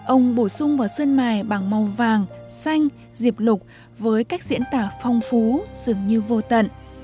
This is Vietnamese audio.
ông bổ sung vào sơn mài bằng màu vàng xanh diệp lục với cách diễn tả phong phú dường như vô tận